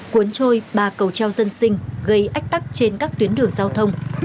cuốn trôi ba cầu treo dân sinh gây ách tắc trên các tuyến đường giao thông